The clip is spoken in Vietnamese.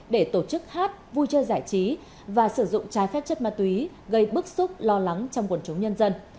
để tổ chức hát vui chơi giải trí và sử dụng trái phép chất ma túy gây bức xúc lo lắng trong quần chúng nhân dân